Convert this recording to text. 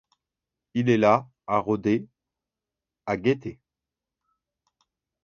Il est là à rôder, à guetter.